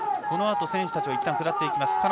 このあと選手たちは下っていきます。